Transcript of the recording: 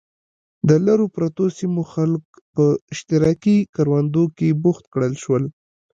د لرو پرتو سیمو خلک په اشتراکي کروندو کې بوخت کړل شول.